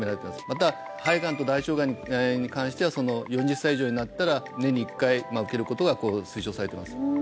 また肺がんと大腸がんに関しては４０歳以上になったら年に１回受けることが推奨されてます